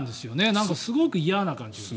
なんか、すごく嫌な感じがする。